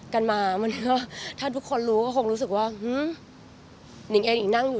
กันมามันก็ถ้าทุกคนรู้ก็คงรู้สึกว่านิงเองนิงนั่งอยู่